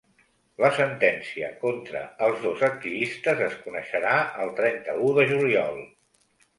La sentència contra els dos activistes es coneixerà el trenta-u de juliol.